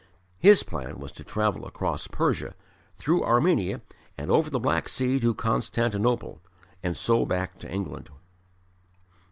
His plan was to travel across Persia, through Armenia and over the Black Sea to Constantinople, and so back to England.